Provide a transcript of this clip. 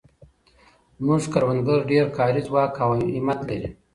زموږ کروندګر ډېر کاري ځواک او همت لري.